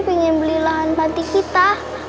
pengen beli lahan panti kita